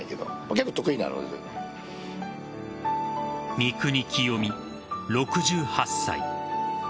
三國清三、６８歳。